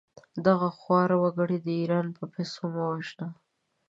دغه خوار وګړي د ايران په پېسو مه وژنه!